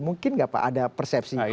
mungkin gak pak ada persepsi